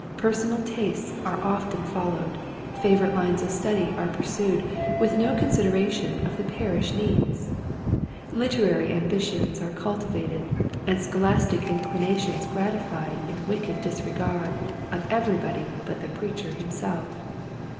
Personal tastes are often followed, favorite lines of study are pur sued with no consideration of the parish needs. Literary ambitions are cultivated and scholastic inclinations gratified in wicked disregard of everybody but the preacher himself.